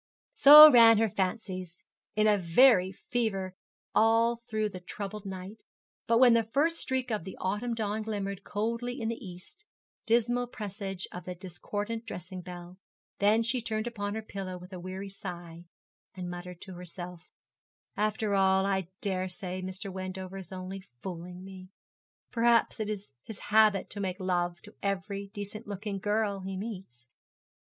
So ran her fancies in a very fever all through the troubled night; but when the first streak of the autumn dawn glimmered coldly in the east, dismal presage of the discordant dressing bell, then she turned upon her pillow with a weary sigh, and muttered to herself: 'After all I daresay Mr. Wendover is only fooling me. Perhaps it is his habit to make love to every decent looking girl he meets.'